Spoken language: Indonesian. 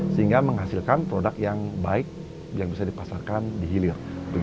sehingga menghasilkan produk yang baik yang bisa dipasarkan di hilir